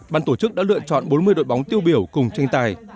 ban tổ chức đã lựa chọn bốn mươi đội bóng tiêu biểu cùng tranh tài